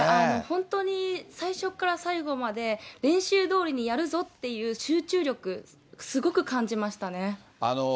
本当に最初から最後まで、練習どおりにやるぞっていう集中力、すごく感じましたね。